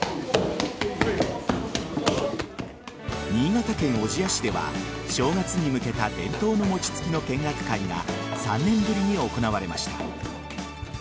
新潟県小千谷市では正月に向けた伝統の餅つきの見学会が３年ぶりに行われました。